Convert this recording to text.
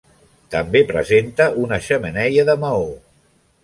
També presenta una xemeneia de maó.